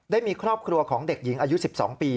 ได้มีครอบครัวของเด็กหญิงอายุ๑๒ปี